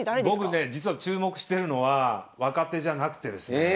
僕ね実は注目してるのは若手じゃなくてですね。